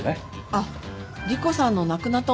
あっ莉湖さんの亡くなったお父さん。